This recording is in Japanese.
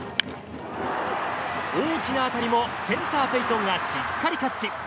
大きな当たりもセンターペイトンがしっかりキャッチ。